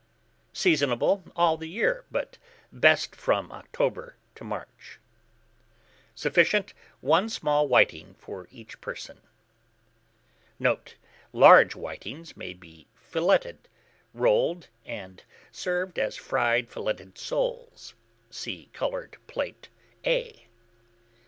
Seasonable all the year, but best from October to March. Sufficient, 1 small whiting for each person. Note. Large whitings may be filleted, rolled, and served as fried filleted soles (see Coloured Plato A).